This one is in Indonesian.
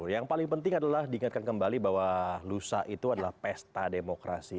yang paling penting adalah diingatkan kembali bahwa lusa itu adalah pesta demokrasi